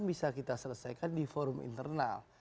bisa kita selesaikan di forum internal